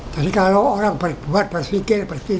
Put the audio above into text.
jadi kalau orang berbuat berpikir berpikir